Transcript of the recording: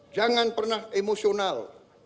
jangan pernah emosional